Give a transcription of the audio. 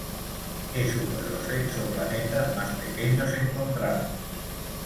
Es uno de los exoplanetas más pequeños encontrados.